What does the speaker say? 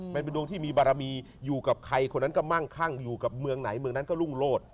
มันเป็นดวงที่มีบารมีอยู่กับใครคนนั้นก็มั่งคั่งอยู่กับเมืองไหนเมืองนั้นก็รุ่งโลศ